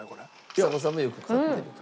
ちさ子さんもよく買ってると。